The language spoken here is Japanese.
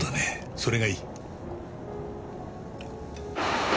それがいい。